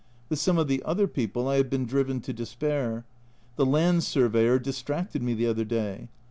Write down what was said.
With some of the other people I have been driven to despair. The land surveyor dis tracted me the other day.